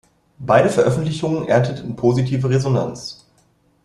Beide Veröffentlichungen ernteten positive Resonanz.